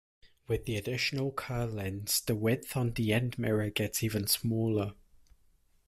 With the additional Kerr lens the width on the end-mirror gets even smaller.